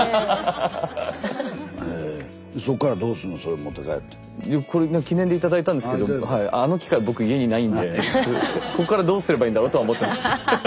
いやこれ記念で頂いたんですけどあの機械僕家にないんでこっからどうすればいいんだろうとは思ってます。